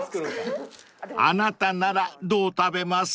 ［あなたならどう食べます？］